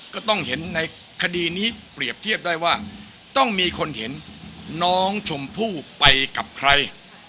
ก็ต้องเห็นในคดีนี้เปรียบเทียบได้ว่าต้องมีคนเห็นน้องชมพู่ไปกับใคร